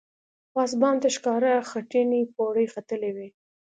پاس بام ته ښکاره خټینې پوړۍ ختلې وې.